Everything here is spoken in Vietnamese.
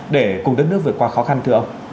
để cùng đất nước vượt qua khó khăn thưa ông